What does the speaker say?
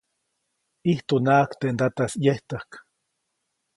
ʼIjtunaʼajk teʼ ndataʼis ʼyejtäjk.